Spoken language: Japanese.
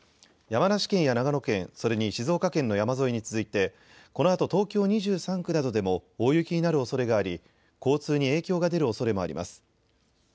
山梨県や長野県、それに静岡県の山沿いに続いてこのあと東京２３区などでも大雪になるおそれがあり、交通に影響が出るおそれもあります。